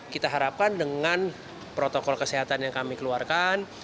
kita harapkan dengan protokol kesehatan yang kami keluarkan